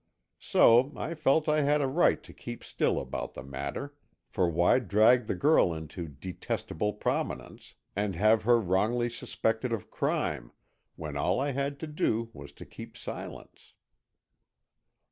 So, I felt I had a right to keep still about the matter, for why drag the girl into detestable prominence, and have her wrongly suspected of crime, when all I had to do was to keep silence?